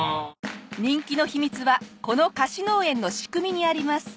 人気の秘密はこの貸し農園の仕組みにあります。